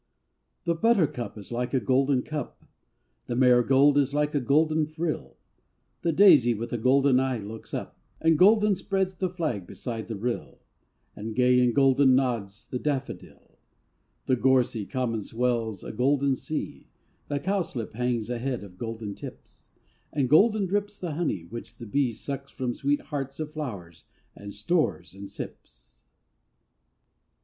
HE buttercup is like a golden cup, The marigold is like a golden frill, The daisy with a golden eye looks up, And golden spreads the flag beside the rill, And gay and golden nods the daffodil; The gorsey common swells a golden sea, The cowslip hangs a head of golden tips, And golden drips the honey which the bee Sucks from sweet hearts of flowers and stores and sips.